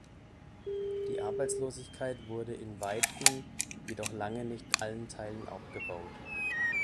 Die Arbeitslosigkeit wurde in weiten, jedoch lange nicht allen Teilen abgebaut.